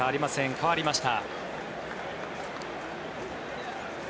代わりました。